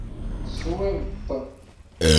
Teswiḍ-t?